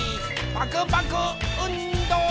パクパクうんど！